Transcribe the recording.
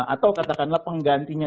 atau katakanlah penggantinya